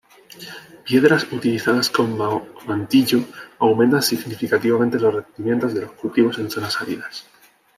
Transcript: Piedras utilizadas como mantillo aumentan significativamente los rendimientos de los cultivos en zonas áridas.